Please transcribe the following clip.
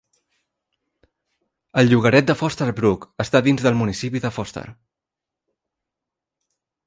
El llogaret de Foster Brook està dins del municipi de Foster.